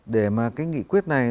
để mà cái nghị quyết này